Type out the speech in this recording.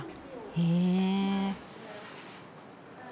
へえ。